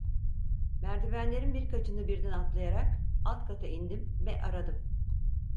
Merdivenlerin birkaçını birden atlayarak alt kata indim ve aradım.